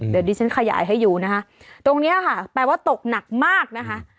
เดี๋ยวดิฉันขยายให้อยู่นะคะตรงเนี้ยค่ะแปลว่าตกหนักมากนะคะ